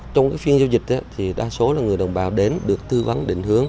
trong cái phiên giao dịch thì đa số là người đồng bào đến được tư vấn định hướng